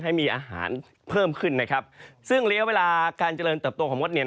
ให้มีอาหารเพิ่มขึ้นซึ่งระยะเวลาการเจริญเติบโตของมด